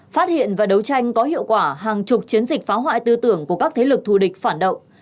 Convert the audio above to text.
phát hiện và đấu tranh có hiệu quả hàng chục chiến dịch phá hoại tư tưởng của các thế lực thù địch phản động